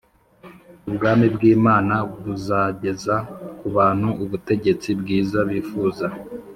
Ubwami bw’Imana buzageza ku bantu ubutegetsi bwiza bifuza